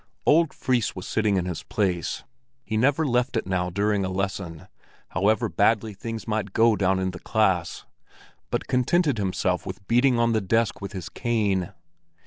Old Fris was sitting in his place. He never left it now during a lesson, however badly things might go down in the class, but contented himself with beating on the desk with his cane.